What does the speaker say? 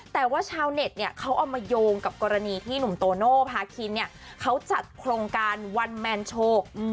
แต่ว่าชาวเน็ตเนี่ยเขาเอามาโยงกับกรณีที่หนุ่มโตโน่พาคินเนี่ยเขาจัดโครงการวันแมนโชว์